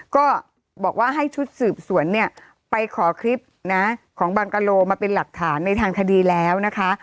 ก็บอกว่าให้ชุดสืบสวนเนี่ยไปขอคลิปนะของบางกะโลมาเป็นหลักฐานในทางคดีแล้วนะคะ